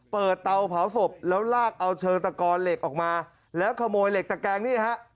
เตาเผาศพแล้วลากเอาเชิงตะกอนเหล็กออกมาแล้วขโมยเหล็กตะแกงนี่ฮะ